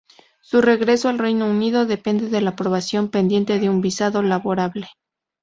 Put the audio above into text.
Su regreso al Reino Unido depende de la aprobación pendiente de un visado laborable.